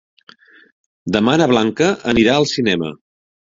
Demà na Blanca anirà al cinema.